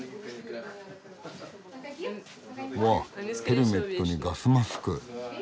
わあヘルメットにガスマスク！